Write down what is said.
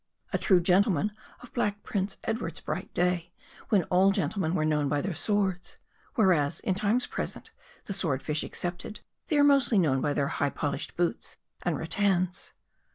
A true gentleman of Black Prince Edward's bright day, when all gentlemen were known by their swords ; whereas, in times present, the Sword fish excepted, they are mostly known by their high polished boots and rattans.